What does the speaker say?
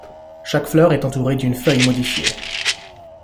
Chaque fleur est entourée d'une feuille modifiée.